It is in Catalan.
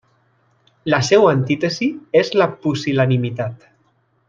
La seua antítesi és la pusil·lanimitat.